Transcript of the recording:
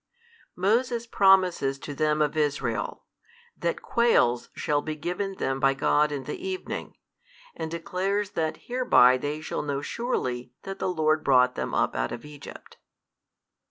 Moses promises to them of Israel, that quails shall be given them by God in the evening, and declares that hereby they shall know surely that the Lord brought them up out of Egypt.